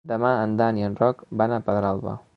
Demà en Dan i en Roc van a Pedralba.